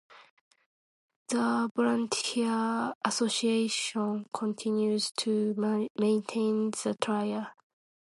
The volunteer association continues to maintain the trail.